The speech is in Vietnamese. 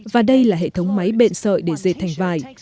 và đây là hệ thống máy bện sợi để dệt thành vải